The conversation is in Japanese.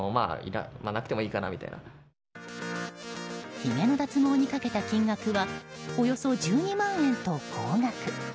ひげの脱毛にかけた金額はおよそ１２万円と高額。